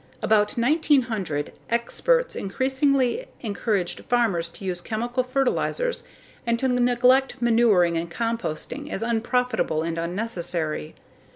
About 1900, "experts" increasingly encouraged farmers to use chemical fertilizers and to neglect manuring and composting as unprofitable and unnecessary.